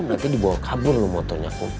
nanti dibawa kabur loh motornya